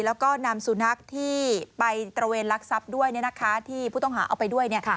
แล้วก็นำสุนัขที่ไปตระเวนรักษัพด้วยนะคะที่ผู้ต้องหาเอาไปด้วยเนี่ย